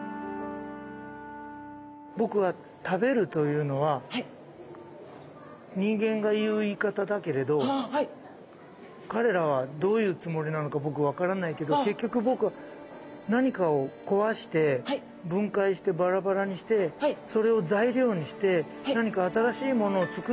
僕は食べるというのは人間が言う言い方だけれど彼らはどういうつもりなのか僕分からないけど結局僕は何かを壊して分解してバラバラにしてそれを材料にして何か新しいものをつくっているんですよね。